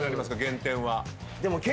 減点は。